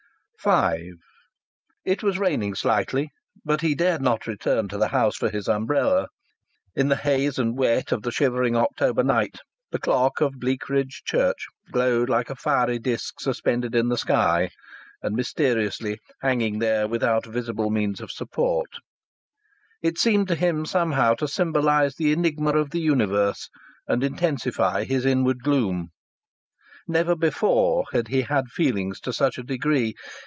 V It was raining slightly, but he dared not return to the house for his umbrella. In the haze and wet of the shivering October night the clock of Bleakridge Church glowed like a fiery disc suspended in the sky, and, mysteriously hanging there, without visible means of support, it seemed to him somehow to symbolize the enigma of the universe and intensify his inward gloom. Never before had he had such feelings to such a degree.